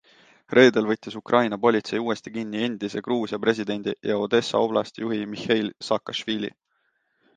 Reedel võttis Ukraina politsei uuesti kinni endise Gruusia presidendi ja Odessa oblasti juhi Mihheil Saakašvili.